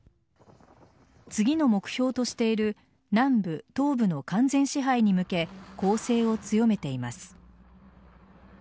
次の目標としている南部・東部の完全支配に向け攻勢を強めています。